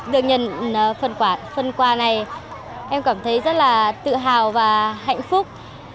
được nhận phần quà này em cảm thấy rất là tự hào và hạnh phúc